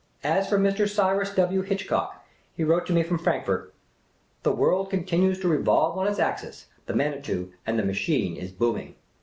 As for Mr. Cyrus W. Hitchcock, he wrote to me from Frankfort :" The world continues to revolve on its axis, the Manitou, and the machine is booming.